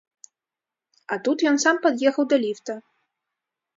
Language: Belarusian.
А тут ён сам пад'ехаў да ліфта.